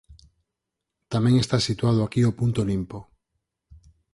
Tamén está situado aquí o punto limpo.